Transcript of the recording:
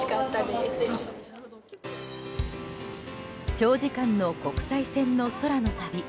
長時間の国際線の空の旅。